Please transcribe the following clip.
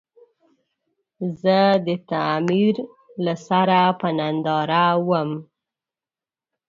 زه د تعمير له سره په ننداره ووم.